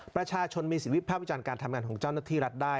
ประชาชนมีสิทธิภาพวิจารณ์การทำงานของเจ้าหน้าที่รัฐได้